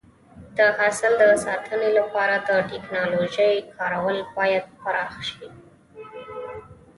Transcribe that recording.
د حاصل د ساتنې لپاره د ټکنالوژۍ کارول باید پراخ شي.